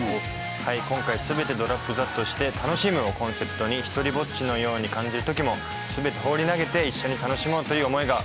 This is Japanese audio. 今回「全てＤＲＯＰＴｈａｔして楽しむ。」をコンセプトに独りぼっちのように感じる時も全て放り投げて一緒に楽しもうという思いが込められています。